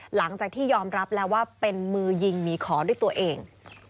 หลังจากที่ยอมรับแล้วว่าเป็นมือยิงหมีขอด้วยตัวเอง